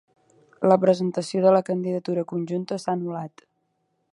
La presentació de la candidatura conjunta s'ha anul·lat